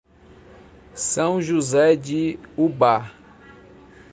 São José de Ubá